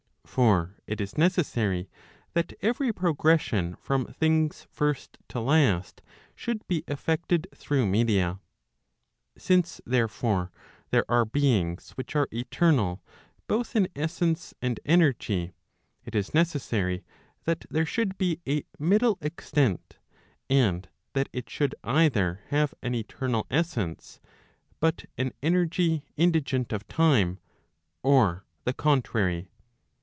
For it is necessary that every progression from things first to last should be effected through media. Since therefore, there are beings which are eternal both in essence and energy, it is necessary that there should be a middle extent, and that it should either have an eternal essence, but an energy indigent of time, or the contrary.